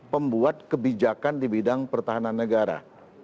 pembuat kebijakan di bidang pertahanan negara